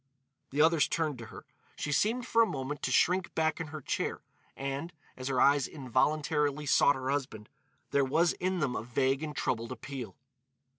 The others turned to her. She seemed, for a moment, to shrink back in her chair, and, as her eyes involuntarily sought her husband, there was in them a vague and troubled appeal.